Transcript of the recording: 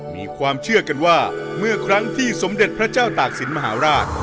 มีความเชื่อกันว่าเมื่อครั้งที่สมเด็จพระเจ้าตากศิลปมหาราช